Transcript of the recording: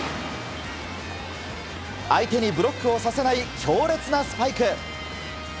相手にブロックをさせない強烈なスパイク。